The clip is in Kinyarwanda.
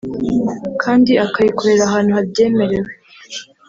kandi akayikorera ahantu habyemerewe